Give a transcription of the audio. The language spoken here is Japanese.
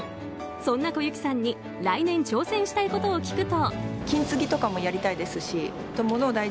そんな小雪さんに来年挑戦したいことを聞くと。